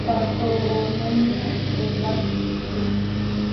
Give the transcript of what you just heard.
La taxonomía de las spp.